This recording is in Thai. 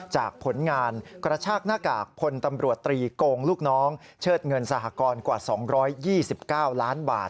ผลงานกระชากหน้ากากพลตำรวจตรีโกงลูกน้องเชิดเงินสหกรณ์กว่า๒๒๙ล้านบาท